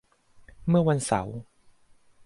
เมื่อวันเสาร์